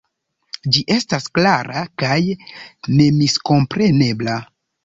Ĝi estas klara kaj nemiskomprenebla.